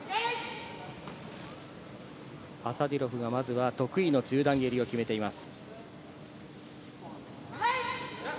アサディロフがまずは得意の中段蹴りを決めています。